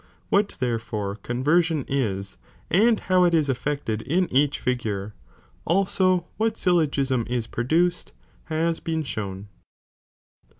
What therefore con version is, and how it is elTected in eacJi figure, also what syllogism is produced, has been shown.